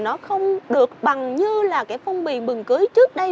nó không được bằng như là cái phong bì bừng cưới trước đây